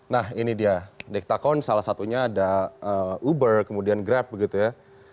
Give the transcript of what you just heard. nah ini dia dektakon salah satunya ada uber kemudian grab begitu ya